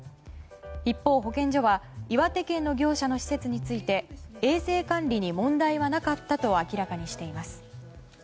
一方、保健所は岩手県の業者の施設について衛生管理に問題はなかったと明らかにしています。